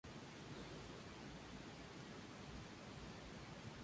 Estos programas duran igualmente dos años.